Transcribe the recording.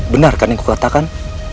benarkan yang aku katakan